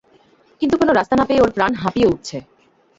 কিন্তু কোনো রাস্তা না পেয়ে ওর প্রাণ হাঁপিয়ে উঠছে।